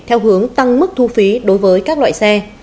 theo hướng tăng mức thu phí đối với các loại xe